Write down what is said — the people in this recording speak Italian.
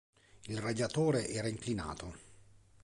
Il radiatore era inclinato.